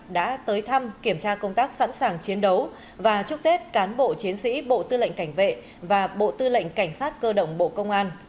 đã tới thăm kiểm tra công tác sẵn sàng chiến đấu và chúc tết cán bộ chiến sĩ bộ tư lệnh cảnh vệ và bộ tư lệnh cảnh sát cơ động bộ công an